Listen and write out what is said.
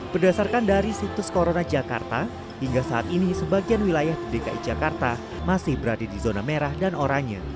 berdasarkan dari situs corona jakarta hingga saat ini sebagian wilayah di dki jakarta masih berada di zona merah dan oranye